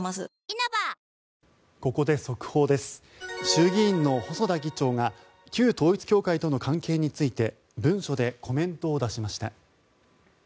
衆議院の細田議長が旧統一教会との関係について文書でコメントを出しました。